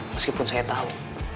meskipun saya tahu